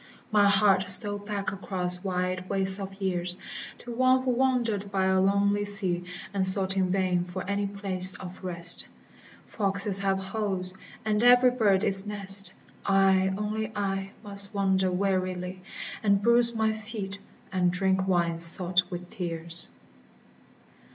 My heart stole back across wide wastes of years To One who wandered by a lonely sea, And sought in vain for any place of rest :* 'Foxes have holes, and every bird its nest, I, only I, must wander wearily, And bruise my feet, and drink wine salt with tears."